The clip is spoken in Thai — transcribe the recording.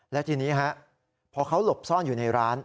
และทีนี้พอเขาหลบซ่อนอยู่ในร้าน